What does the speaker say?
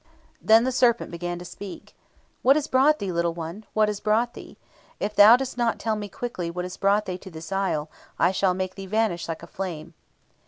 "Then the serpent began to speak: 'What has brought thee, little one, what has brought thee? If thou dost not tell me quickly what has brought thee to this isle, I shall make thee vanish like a flame.'